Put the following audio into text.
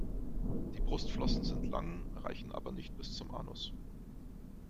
Die Brustflossen sind lang, reichen aber nicht bis zum Anus.